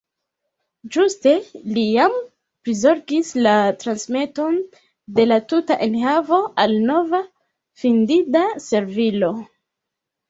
Ĝuste li jam prizorgis la transmeton de la tuta enhavo al nova, findinda servilo.